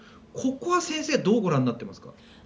ここは先生どうご覧になっていますか？